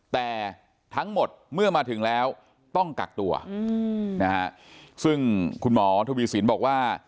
แต่ทั้งหมดเมื่อมาถึงแล้วต้องกักตัวนะฮะซึ่งคุณหมอทวีสินบอกว่า